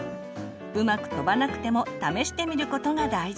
うまく飛ばなくても試してみることが大事。